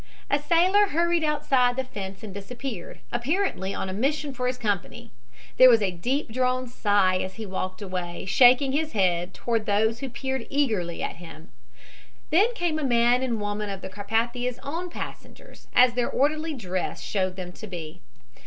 A sailor hurried outside the fence and disappeared, apparently on a mission for his company. There was a deep drawn sigh as he walked away, shaking his head toward those who peered eagerly at him. Then came a man and woman of the Carpathia's own passengers, as their orderly dress showed them to be.